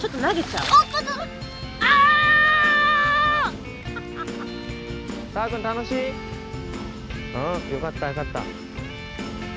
うんよかったよかった。